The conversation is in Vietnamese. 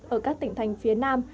ở các tỉnh thành phía nam